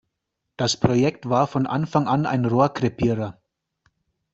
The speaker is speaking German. Das Projekt war von Anfang an ein Rohrkrepierer.